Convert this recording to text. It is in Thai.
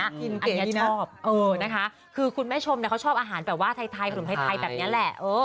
อันนี้ชอบคือคุณแม่ชมเขาชอบอาหารแบบว่าไทยแบบนี้แหละ